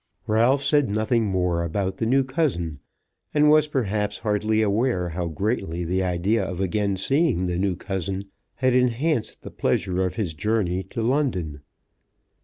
Ralph said nothing more about the new cousin; and was perhaps hardly aware how greatly the idea of again seeing the new cousin had enhanced the pleasure of his journey to London.